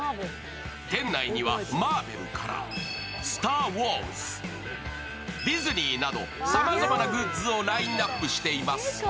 店内にはマーベルから「スター・ウォーズ」、ディズニーなどさまざまなグッズをラインナップしています。